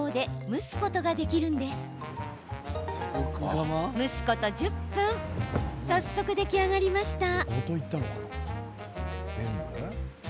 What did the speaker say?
蒸すこと１０分早速、出来上がりました。